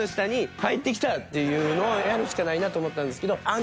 っていうのをやるしかないなと思ったんですけど。